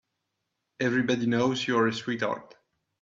Everybody knows you're a sweetheart.